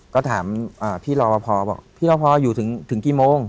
ก็ถามพี่รอปภบอกพี่รอพออยู่ถึงกี่โมง